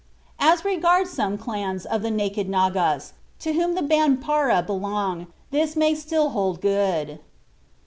As regards some clans of the naked Nagas, to whom the Banpara belong, this may still hold good."